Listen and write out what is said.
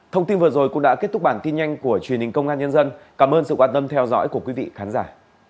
thông tin vừa rồi cũng đã kết thúc bản tin nhanh của truyền hình công an nhân dân cảm ơn sự quan tâm theo dõi của quý vị khán giả